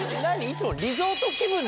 いつも。